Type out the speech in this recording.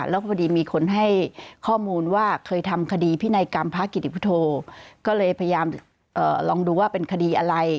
แล้วพอดีมีคนให้ข้อมูลว่าเคยทำคดีพินัยกรรมพระกิติพุทธโธก็เลยพยายามลองดูว่าเป็นคดีอะไร